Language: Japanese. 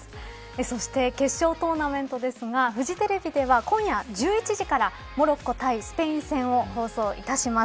そして決勝トーナメントですがフジテレビでは今夜１１時からモロッコ対スペイン戦を放送いたします。